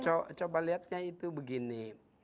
coba lihatnya itu begini